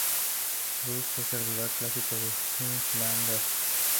Blues es el rival clásico de Highlanders.